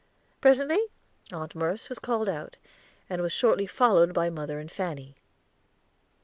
Presently Aunt Merce was called out, and was shortly followed by mother and Fanny.